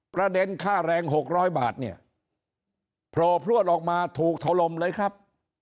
ประเด็นค่าแรง๖๐๐บาทเนี่ยโผล่พลวดออกมาถูกถล่มเลยครับ